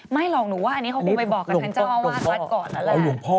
ไม่หรอกหนูว่าอันนี้เขาคงไปบอกกับทางเจ้าอาวาสวัดก่อนนั่นแหละ